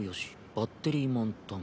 バッテリー満タン。